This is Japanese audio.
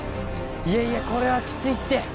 いやいやこれはきついって。